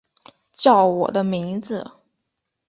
叫我的名字